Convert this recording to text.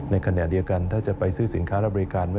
ในขณะเดียวกันถ้าจะไปซื้อสินค้าและบริการ